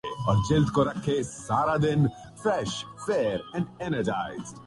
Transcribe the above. یہ انفرادی بصیرت سے اجتماعی بصیرت کی طرف سفر ہے۔